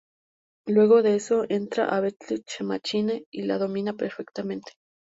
Luego de eso, entra a "Battle Machine" y la domina perfectamente.